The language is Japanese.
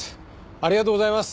ありがとうございます！